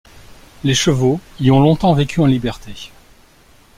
Les chevaux y ont longtemps vécu en liberté.